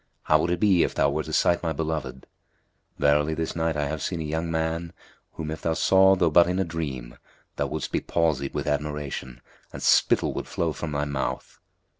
How would it be if thou were to sight my beloved? Verily, this night I have seen a young man, whom if thou saw though but in a dream, thou wouldst be palsied with admiration and spittle would flow from thy mouth."